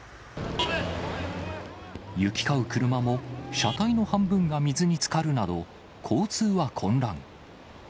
行き交う車も、車体の半分が水につかるなど、交通は混乱。